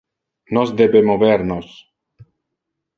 Nos debe mover nos.